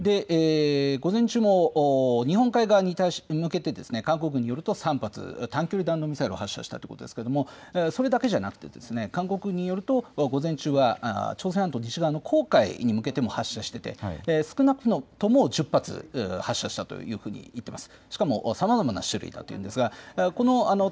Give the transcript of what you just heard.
午前中も日本海側に向けて韓国軍によると３発、短距離弾道ミサイルを発射したということですけど、それだけではなくて韓国軍によると、午前中は朝鮮半島西側の公海に向けても発射していけ少なくとも１０発、発射したというふうに言っています。